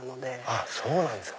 あっそうなんですか。